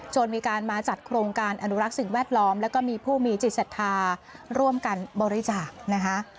มีการมาจัดโครงการอนุรักษ์สิ่งแวดล้อมแล้วก็มีผู้มีจิตศรัทธาร่วมกันบริจาคนะคะ